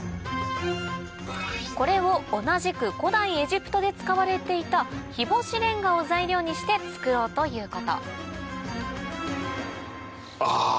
これを同じく古代エジプトで使われていた日干しレンガを材料にして作ろうということあ